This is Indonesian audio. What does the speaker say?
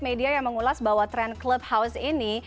media yang mengulas bahwa tren clubhouse ini